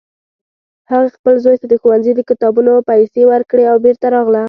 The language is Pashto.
هغې خپل زوی ته د ښوونځي د کتابونو پیسې ورکړې او بیرته راغله